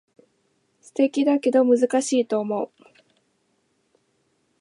素敵だけど難しいと思う